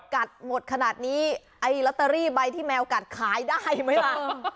กัดหมดขนาดนี้ไอ้ลอตเตอรี่ใบที่แมวกัดขายได้ไหมล่ะ